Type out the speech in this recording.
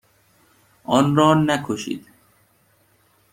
آن را نکشید.